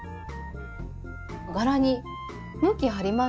柄に向きありますよね？